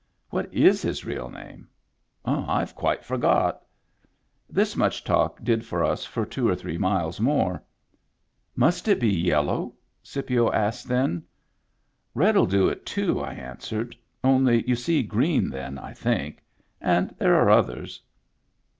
" What is his real name ?"" I've quite forgot." This much talk did for us for two or three miles more. " Must it be yellow ?" Scipio asked then. "RedTl do it, too," I answered. "Only you see green then, I think. And there are others."